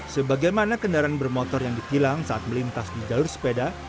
sebagaimana kendaraan bermotor yang ditilang saat melintas di jalur sepeda